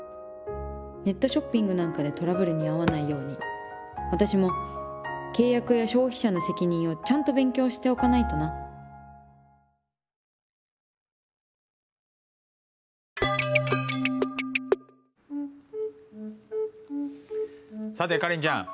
ネットショッピングなんかでトラブルに遭わないように私も契約や消費者の責任をちゃんと勉強しておかないとなさてカレンちゃん。